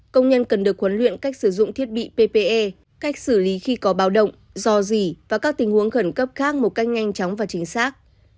công nhân cần được huấn luyện cách sử dụng thiết bị ppe cách xử lý khi có báo động do dỉ và các tình huống khẩn cấp khác một cách nhanh chóng và chính xác